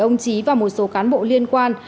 ông trí và một số cán bộ liên quan